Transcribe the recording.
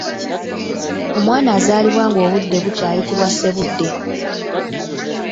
Omwana azaalibwa nga obudde bukya ayitibwa Ssebudde.